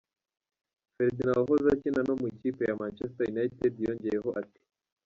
Ferdinand wahoze akina no mu ikipe ya Manchester United, yongeyeho ati:.